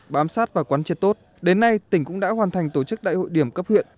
bám sát và quán triệt tốt đến nay tỉnh cũng đã hoàn thành tổ chức đại hội điểm cấp huyện